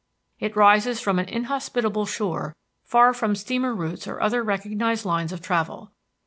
It rises from an inhospitable shore far from steamer routes or other recognized lines of travel.